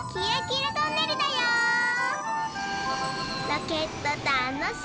ロケットたのしい！